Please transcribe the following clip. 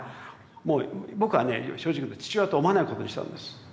もう僕はね正直言うと父親と思わないことにしたんです。